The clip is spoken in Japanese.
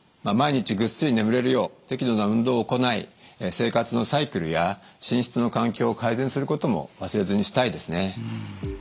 毎日ぐっすり眠れるよう適度な運動を行い生活のサイクルや寝室の環境を改善することも忘れずにしたいですね。